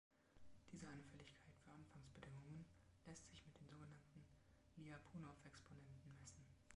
Diese Anfälligkeit für Anfangsbedingungen lässt sich mit den sogenannten Lyapunov-Exponenten messen.